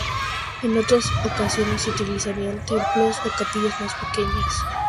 En otras ocasiones se utilizarían templos o capillas más pequeñas.